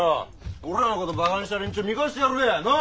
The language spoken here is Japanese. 俺らのことバカにした連中見返してやるべ！